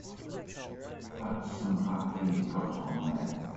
That's some hat you got on there.